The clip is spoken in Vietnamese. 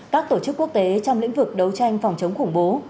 các tổ chức quốc tế trong lĩnh vực đấu tranh phòng chống khủng bố